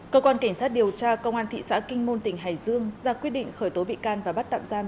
cơ quan cảnh sát điều tra công an thị xã kinh môn tỉnh hải dương ra quyết định khởi tố bị can và bắt tạm giam